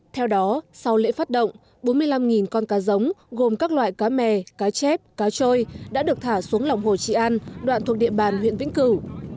theo đó sau lễ phát động bốn mươi năm con cá giống gồm các loại cá mè cá chép cá trôi đã được thả xuống lòng hồ trị an đoạn thuộc địa bàn huyện vĩnh cửu